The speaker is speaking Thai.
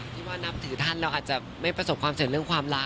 ที่ว่านับถือท่านเราอาจจะไม่ประสบความเสร็จเรื่องความรัก